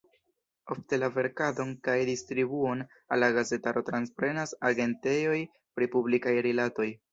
Ofte la verkadon kaj distribuon al la gazetaro transprenas agentejoj pri publikaj rilatoj.